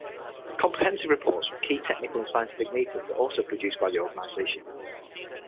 Comprehensive reports from key technical and scientific meetings are also produced by the organisation.